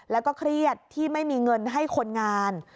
แล้วก็เครียดที่ไม่มีเงินให้คนงาน